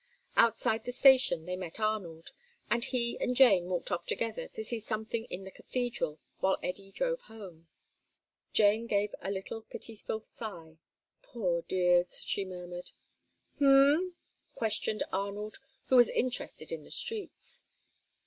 Outside the station they met Arnold, and he and Jane walked off together to see something in the Cathedral, while Eddy drove home. Jane gave a little pitiful sigh. "Poor dears," she murmured. "H'm?" questioned Arnold, who was interested in the streets.